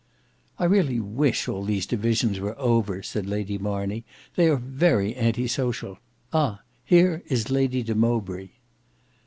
"I really wish all these divisions were over," said Lady Marney. "They are very anti social. Ah! here is Lady de Mowbray."